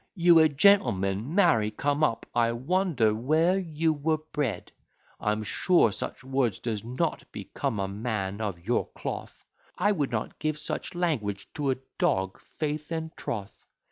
You a gentleman! Marry come up! I wonder where you were bred. I'm sure such words does not become a man of your cloth; I would not give such language to a dog, faith and troth.